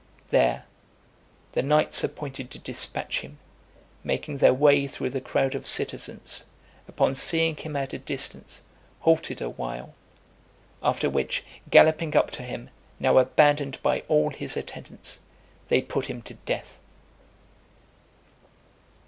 There the knights, appointed to dispatch him, making their way through the crowd of citizens, upon seeing him at a distance, halted a while; after which, galloping up to him, now abandoned by all his attendants, they put him to death.